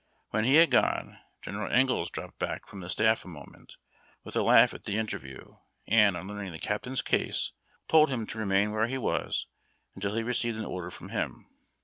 When he had gone, General Ingalls dropped back from the staff a moment, with a laugh at the interview, and, on learn ing the captain's case, told him to remain where he was until he received an order from him.